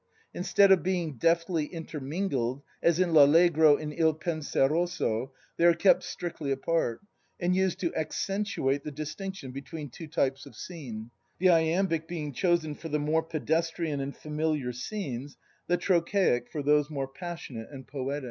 In stead of being deftly intermingled, as in U Allegro and II Penseroso, they are kept strictly apart, and used to accent uate the distinction between two types of scene; the iambic being chosen for the more pedestrian and familiar scenes, the trochaic for those more passionate and poetic.